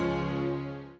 di tempat ini yowonn